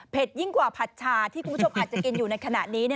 ยิ่งกว่าผัดชาที่คุณผู้ชมอาจจะกินอยู่ในขณะนี้